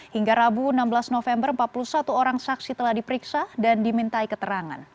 hingga rabu enam belas november empat puluh satu orang saksi telah diperiksa dan dimintai keterangan